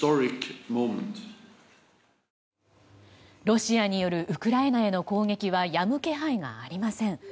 ロシアによるウクライナへの攻撃はやむ気配がありません。